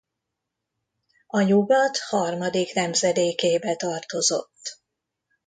A Nyugat harmadik nemzedékébe tartozott.